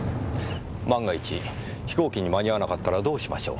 万が一飛行機に間に合わなかったらどうしましょう？